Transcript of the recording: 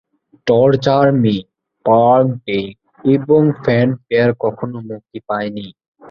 "Torture me", "Parkdale" এবং "fanfare" কখনো মুক্তি পায় নি।